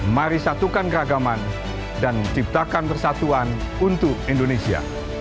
mari satukan keragaman dan ciptakan persatuan untuk indonesia